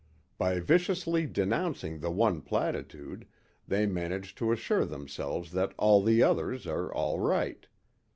By viciously denouncing the one platitude they manage to assure themselves that all the others are all right.